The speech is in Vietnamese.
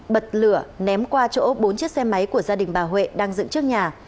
bật lửa ném qua chỗ bốn chiếc xe máy của gia đình bà huệ đang dựng trước nhà